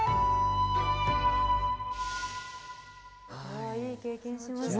いい経験しました。